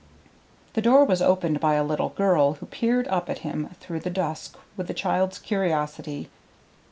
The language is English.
The door was opened by a little girl, who peered up at him through the dusk with a child's curiosity.